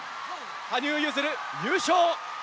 羽生結弦優勝！